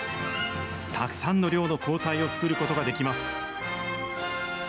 たくさんの量の抗体を作ることができます。